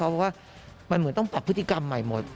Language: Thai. เพราะว่ามันเหมือนต้องปรับพฤติกรรมใหม่หมด